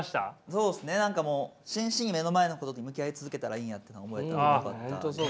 そうですね何かもう真摯に目の前のことに向き合い続けたらいいんやって思えたんでよかった。